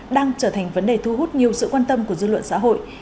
đang trở thành vấn đề thu hút nhiều sự quan tâm của dư luận xã hội